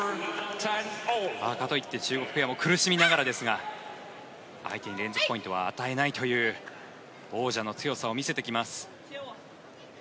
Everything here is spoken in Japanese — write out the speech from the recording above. かといって中国ペアも苦しみながらですが相手に連続ポイントは与えないという王者の強さを見せてきます。